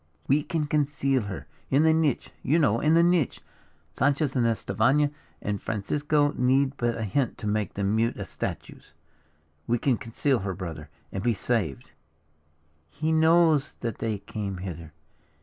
"We can conceal her. In the niche, you know, in the niche. Sanchez and Estefania and Francisco need but a hint to make them mute as statues. We can conceal her, brother, and be saved." "He knows that they came hither.